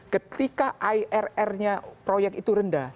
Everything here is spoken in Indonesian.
ketika irr nya proyek itu rendah